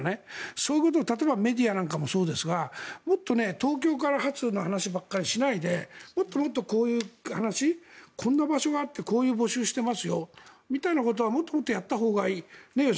そういうことを例えばメディアもそうですがもっと東京から発の話ばかりしないでもっともっとこういう話こんな場所があってこういう募集をしてますよみたいなことはもっともっとやったほうがいい。